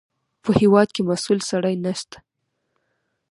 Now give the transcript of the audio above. په هېواد کې مسوول سړی نشته.